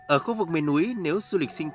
ở khu vực miền núi nếu du lịch sinh thái